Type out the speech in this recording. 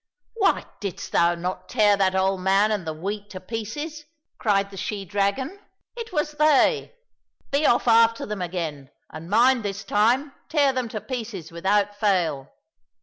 —" Why didst thou not tear that old man and the wheat to pieces ?" cried the she dragon ;" it was they ! Be off after them again, and mind, this time tear them to pieces without fail."